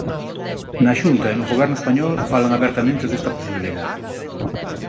Na Xunta e no Goberno español falan abertamente desta posibilidade.